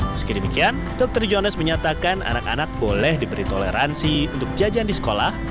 meskidikmikian dokter joannes menyatakan anak anak boleh diberi toleransi untuk jajan di sekolah